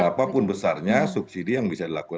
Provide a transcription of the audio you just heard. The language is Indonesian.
berapa pun besarnya subsidi yang bisa dilakukan